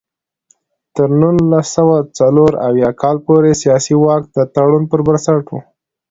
تر نولس سوه څلور اویا کال پورې سیاسي واک د تړون پر بنسټ و.